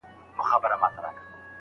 خصوصي سکتور په دې برخه کې مرسته وکړه.